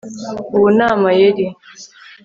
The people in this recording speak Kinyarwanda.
Ubu ni amayeri